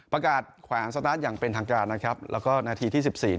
ประกาศขวานสตาร์ทอย่างเป็นทางการแล้วก็นาทีที่๑๔